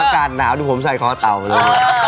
อากาศหนาวดูผมใส่คอเต่าเลย